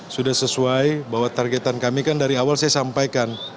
sudah sesuai bahwa targetan kami kan dari awal saya sampaikan